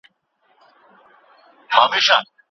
روژه د تقوا د ترلاسه کولو لاره ده.